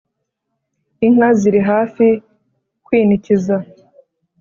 Inka ziri hafi kwinikiza